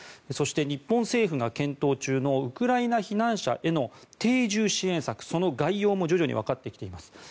そして、日本政府が検討中のウクライナ避難者への定住支援策、その概要も徐々にわかってきています。